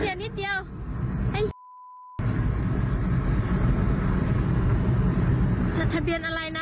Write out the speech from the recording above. เห้ยยอีกนิดเดียวนิดเดียวแอนทะเบียนอะไรนะ